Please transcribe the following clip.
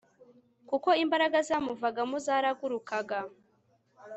kuko imbaraga zamuvagamo zaragurukaga